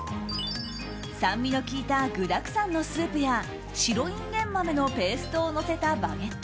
酸味の効いた具だくさんのスープや白インゲン豆のペーストをのせたバゲット。